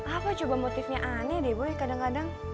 apa coba motifnya aneh deh boy kadang kadang